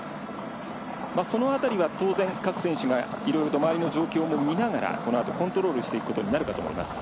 その辺りは当然、各選手が周りの状況を見ながら、このあとコントロールしていくことになるかと思います。